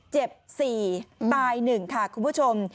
เจ็บ๔ตาย๑ค่ะคุณผู้ชม